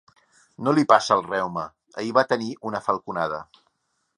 No li passa el reuma: ahir va tenir una falconada.